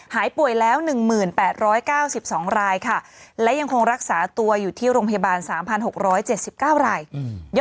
หายป่วยแล้วหนึ่งหมื่นแปดร้อยเก้าสิบสองรายค่ะและยังคงรักษาตัวอยู่ที่โรงพยาบาลสามพันหกร้อยเจ็ดสิบเก้ารายอืม